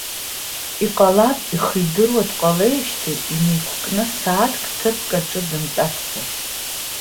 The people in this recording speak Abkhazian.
Иҟалап ихы идыруа дҟалеижьҭеи инеиқәкны сааҭк ҭыԥк аҿы дымтәацзар.